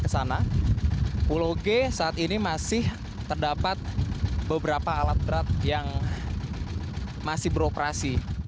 pulau g saat ini masih terdapat beberapa alat berat yang masih beroperasi